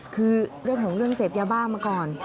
คือเรื่องของเรื่องเสพยาบ้ามาก่อน